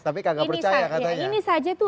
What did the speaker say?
tapi kagak percaya katanya ini saja tuh